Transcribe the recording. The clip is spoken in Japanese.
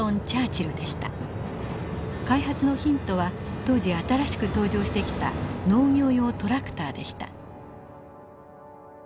開発のヒントは当時新しく登場してきた農業用トラクターでした。